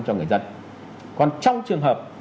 cho người dân còn trong trường hợp